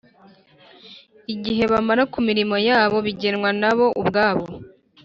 Igihe bamara ku mirimo yabo bigenwa nabo ubwabo